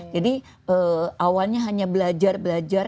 jadi awalnya hanya belajar belajar